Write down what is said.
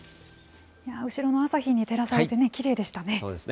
後ろの朝日に照らされてきれいでしたね。